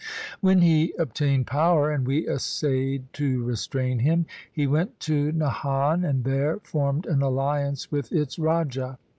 When he obtained power and we essayed to restrain him, he went to Nahan and there formed an alliance with its raja.